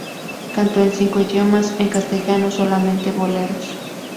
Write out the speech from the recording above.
Cantó en cinco idiomas, en castellano solamente boleros.